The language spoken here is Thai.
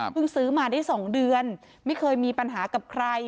ซื้อมาได้๒เดือนไม่เคยมีปัญหากับใคร